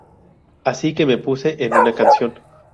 Así que me puse en una canción.